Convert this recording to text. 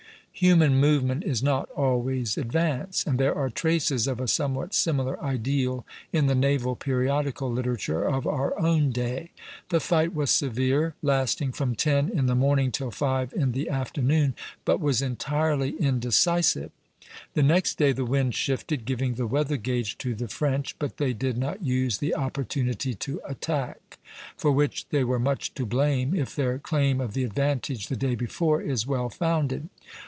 Human movement is not always advance; and there are traces of a somewhat similar ideal in the naval periodical literature of our own day. The fight was severe, lasting from ten in the morning till five in the afternoon, but was entirely indecisive. The next day the wind shifted, giving the weather gage to the French, but they did not use the opportunity to attack; for which they were much to blame, if their claim of the advantage the day before is well founded.